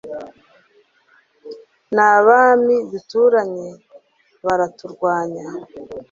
n'abami duturanye baraturwanya